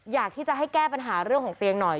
อยากที่จะให้แก้ปัญหาเรื่องของเตียงหน่อย